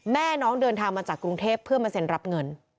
แม่น้องเดินทางมาจากกรุงเทพเพื่อมาเซ็นรับเงิน